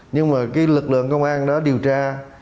nhưng mà cái lực lượng công an đó điều tra